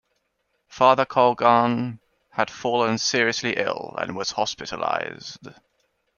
Father Colgan had fallen seriously ill and was hospitalized.